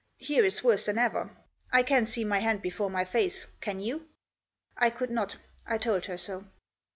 Here it's worse than ever. I can't see my hand before my face, can you ?" I could not. I told her so.